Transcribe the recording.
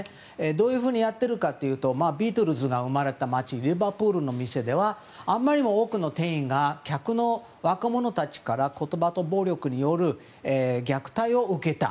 どうやっているかというとビートルズが生まれた町リバプールの店ではあまりにも多くの店員が客の若者たちから言葉と暴力による虐待を受けた。